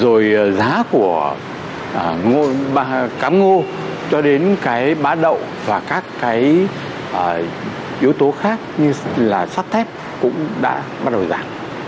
rồi giá của cám ngô cho đến cái bá đậu và các cái yếu tố khác như là sắt thép cũng đã bắt đầu giảm